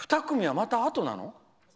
２組は、またあとなの？